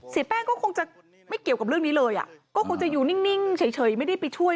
แป้งก็คงจะไม่เกี่ยวกับเรื่องนี้เลยอ่ะก็คงจะอยู่นิ่งเฉยไม่ได้ไปช่วย